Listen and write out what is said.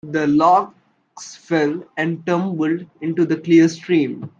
The logs fell and tumbled into the clear stream.